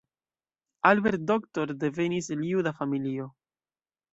Albert Doctor devenis el juda familio.